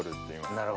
なるほど。